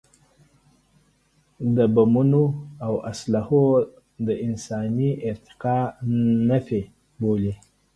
د بمونو او اسلحو د انساني ارتقا نفي بولي.